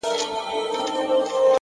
له ځان سره سوله خوښي راولي.!